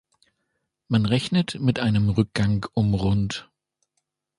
Man rechnet mit einem Rückgang um rd.